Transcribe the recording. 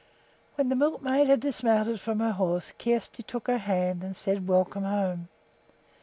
When the milkmaid had dismounted from her horse Kjersti took her hand and said, "Welcome home!"